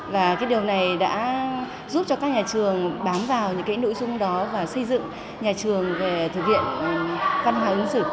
và cái điều này đã giúp cho các nhà trường bám vào những cái nội dung đó và xây dựng nhà trường về thực hiện văn hóa ứng xử